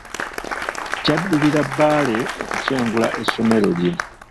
Kyaddirira Bbaale okusengula essomero lye